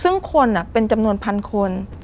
ซึ่งคนเป็นจำนวนพันคน